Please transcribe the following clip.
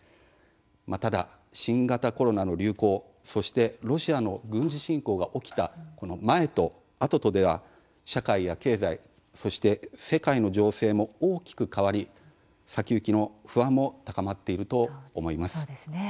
ただ、新型コロナの流行そしてロシアの軍事侵攻が起きたこの前と後とでは社会や経済そして世界の情勢も大きく変わり先行きの不安も高まっていると思います。